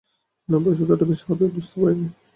আপনার বয়স অতটা বেশি হবে বুঝতে পারিনি।